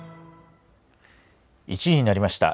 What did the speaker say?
１時になりました。